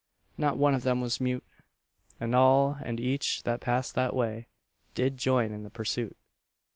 Not one of them was mute; And all and each that passed that way Did join in the pursuit.